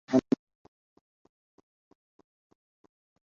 none se hari uwabaho ubuziraherezo